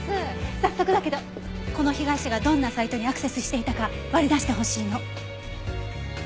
早速だけどこの被害者がどんなサイトにアクセスしていたか割り出してほしいの。